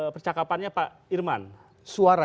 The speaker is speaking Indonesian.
percakapannya pak irman suara